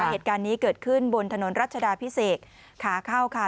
เหตุการณ์นี้เกิดขึ้นบนถนนรัชดาพิเศษขาเข้าค่ะ